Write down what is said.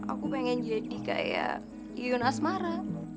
aku pengen jadi kayak iyun asmara